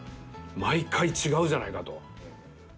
毎回違うじゃないかと。